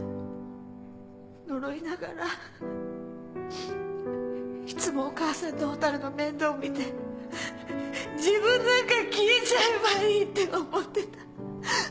呪いながらいつもお母さんとほたるの面倒を見て自分なんか消えちゃえばいいって思ってた。